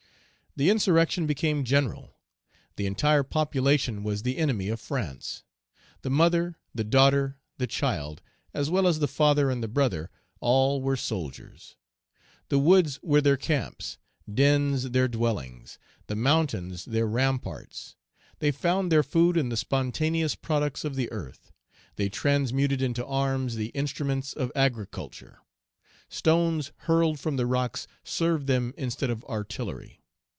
The insurrection became general. The entire population was the enemy of France. The mother, the daughter, the child, as well as the father and the brother, all were soldiers. The woods were their camps, dens their dwellings; the mountains their ramparts; they found their food in the spontaneous products of the earth; they transmuted into arms the instruments of agriculture. Stones hurled from the rocks served them instead of artillery.